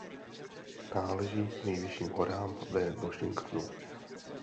Náleží k nejvyšším horám ve Washingtonu.